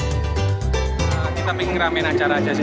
kita bikin ramein acara aja sih